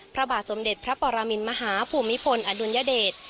พระบาทสมเด็จพระปรมินมหาภูมิพลอดุลยเดช